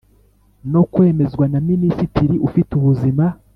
No kwemezwa na minisitiri ufite ubuzima